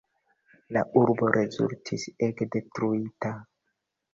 La urbo rezultis ege detruita.